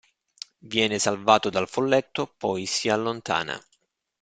Viene salvato dal folletto, poi si allontana.